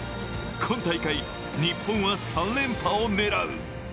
今大会、日本は３連覇を狙う。